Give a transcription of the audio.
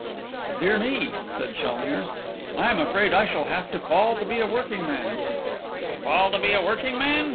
'Dear me,' said Challoner, 'I am afraid I shall have to fall to be a working man.' 'Fall to be a working man?